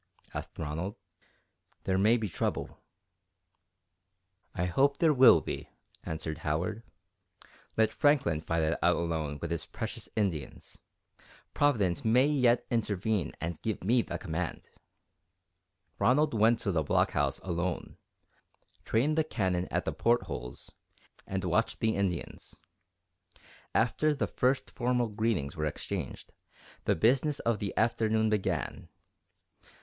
asked Ronald. "There may be trouble." "I hope there will be," answered Howard. "Let Franklin fight it out alone with his precious Indians. Providence may yet intervene and give me the command." Ronald went to the blockhouse alone, trained the cannon at the port holes, and watched the Indians. After the first formal greetings were exchanged, the business of the afternoon began.